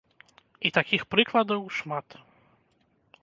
І такіх прыкладаў шмат.